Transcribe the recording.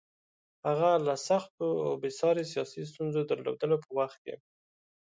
هغه له سختو او بې ساري سیاسي ستونزو درلودلو په وخت کې.